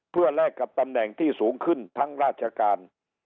เพื่อแลกกับตำแหน่งที่สูงขึ้นทั้งราชการ